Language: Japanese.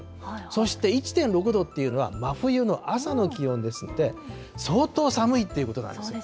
そして１．６度っていうのは、真冬の朝の気温ですので、相当寒いっていうことなんですね。